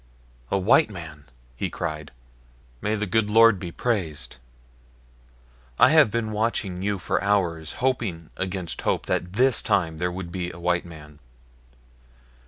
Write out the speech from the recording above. "A white man!" he cried. "May the good Lord be praised! I have been watching you for hours, hoping against hope that THIS time there would be a white man.